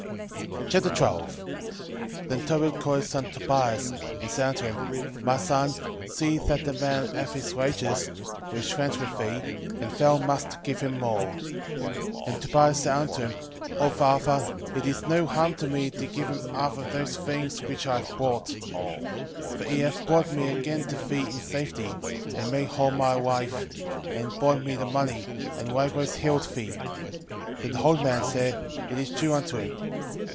12:1 Then Tobit called his son Tobias, and said unto him, My son, see that the man have his wages, which went with thee, and thou must give him more. 12:2 And Tobias said unto him, O father, it is no harm to me to give him half of those things which I have brought: 12:3 For he hath brought me again to thee in safety, and made whole my wife, and brought me the money, and likewise healed thee. 12:4 Then the old man said, It is due unto him.